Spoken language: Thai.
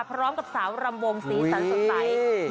พร้อมกับสาวรำวงสีสันสดใส